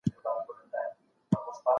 که اړيکي ضعيفي وي فرد ځان وژني.